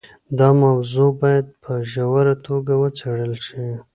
دا موضوع باید په ژوره توګه وڅېړل شي.